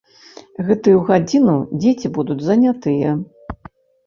Гэтую гадзіну дзеці будуць занятыя.